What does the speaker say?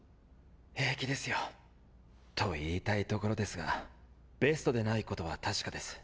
平気ですよと言いたいところですがベストでないことは確かです。